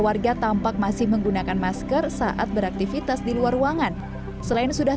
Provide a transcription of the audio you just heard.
warga tampak masih menggunakan masker saat beraktivitas di luar ruangan selain sudah